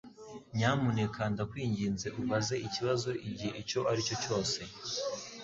Nyamuneka ndakwinginze ubaze ikibazo igihe icyo aricyo cyose.